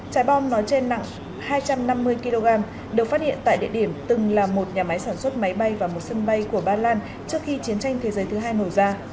trái bom nói trên nặng hai trăm năm mươi kg được phát hiện tại địa điểm từng là một nhà máy sản xuất máy bay và một sân bay của ba lan trước khi chiến tranh thế giới thứ hai nổ ra